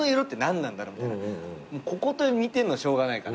ここと似てるのはしょうがないから。